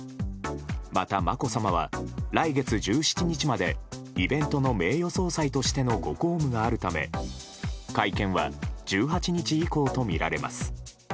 また、まこさまは来月１７日までイベントの名誉総裁としてのご公務があるため会見は１８日以降とみられます。